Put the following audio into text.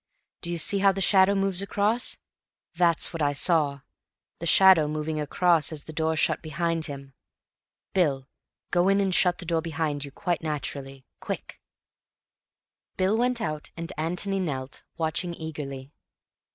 D'you see how the shadow moves across? That's what I saw—the shadow moving across as the door shut behind him. Bill, go in and shut the door behind you—quite naturally. Quick!" Bill went out and Antony knelt, watching eagerly.